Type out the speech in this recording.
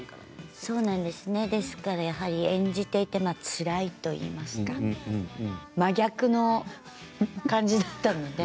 だから演じていてつらいといいますか真逆の感じだったので。